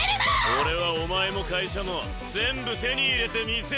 俺はお前も会社も全部手に入れてみせるぞ。